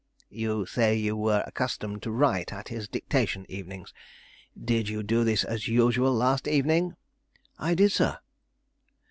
"You say you were accustomed to write at his dictation evenings? Did you do this as usual last evening?" "I did, sir."